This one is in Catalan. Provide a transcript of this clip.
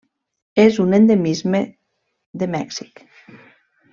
És un endemisme de Mèxic.